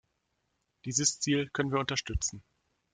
Dieses Ziel können wir unterstützen.